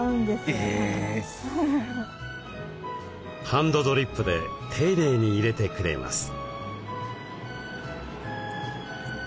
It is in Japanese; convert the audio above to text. ハンドドリップで丁寧にいれてくれます。